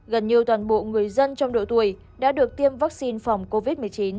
gần như toàn bộ người dân trong độ tuổi đã được tiêm vaccine phòng covid một mươi chín